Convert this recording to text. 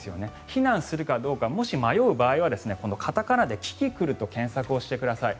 避難するかどうかもし迷う場合はカタカナでキキクルと検索をしてください。